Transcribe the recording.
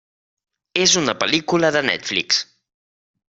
És una pel·lícula de Netflix.